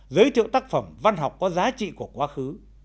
giới thiệu tác phẩm văn học có giá trị của quá khứ